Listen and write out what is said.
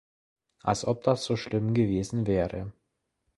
Als ob das so schlimm gewesen wäre.